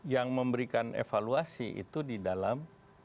yang memberikan evaluasi itu di dalam